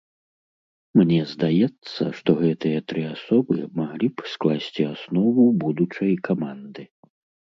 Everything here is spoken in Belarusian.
Мне здаецца, што гэтыя тры асобы маглі б скласці аснову будучай каманды.